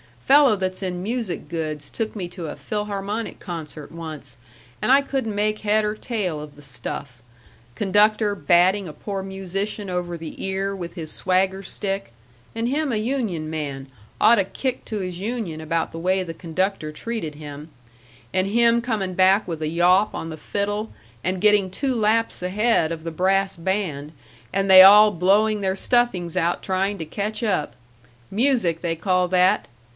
Fellow that's in music goods took me to a Philharmonic concert once, and I couldn't make head or tail of the stuff conductor batting a poor musician over the ear with his swagger stick (and him a union man, oughta kicked to his union about the way the conductor treated him) and him coming back with a yawp on the fiddle and getting two laps ahead of the brass band, and they all blowing their stuffings out trying to catch up. Music they call that!